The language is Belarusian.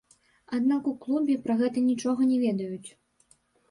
Аднак у клубе пра гэта нічога не ведаюць!